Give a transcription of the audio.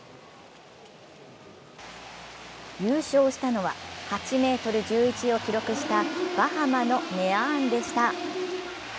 優勝したのは８ｍ１１を記録したバハマのネアーンでした。